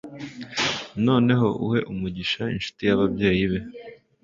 noneho uhe umugisha inshuti y'ababyeyi be